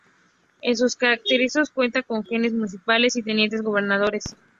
En sus caseríos cuenta con Agentes Municipales y Tenientes Gobernadores.